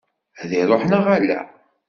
Ad iruḥ neɣ ala?